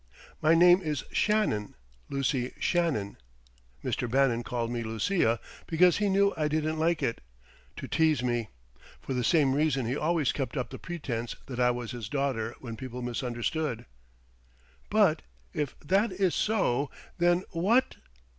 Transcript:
My name is Shannon Lucy Shannon. Mr. Bannon called me Lucia because he knew I didn't like it, to tease me; for the same reason he always kept up the pretence that I was his daughter when people misunderstood." "But if that is so then what